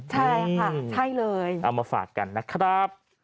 ใช่เลยเอามาฝากกันนะครับ